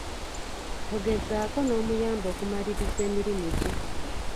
Togezaako n'omuyamba okumaliriza emirimu gye.